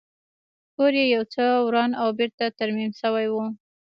کور یې یو څه وران او بېرته ترمیم شوی و